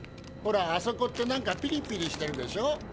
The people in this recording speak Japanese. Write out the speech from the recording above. ほらあそこってなんかピリピリしてるでしょ。